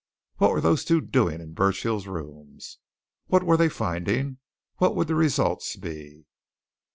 What were those two doing in Burchill's rooms? What were they finding? What would the result be?